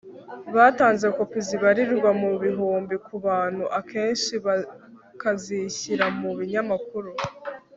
batanze kopi zibarirwa mu bihumbi ku buntu akenshi bakazishyira mu binyamakuru